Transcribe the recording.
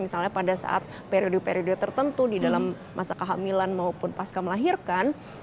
misalnya pada saat periode periode tertentu di dalam masa kehamilan maupun pasca melahirkan